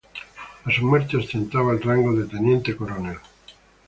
A su muerte ostentaba el rango de teniente coronel.